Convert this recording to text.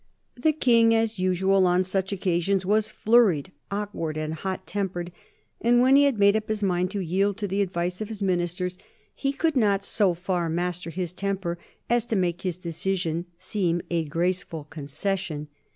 The King, as usual on such occasions, was flurried, awkward, and hot tempered, and when he had made up his mind to yield to the advice of his ministers he could not so far master his temper as to make his decision seem a graceful concession.